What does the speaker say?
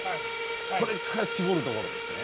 これから搾るところですね。